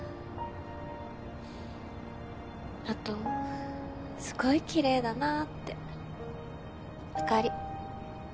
後すごいきれいだなって明かり。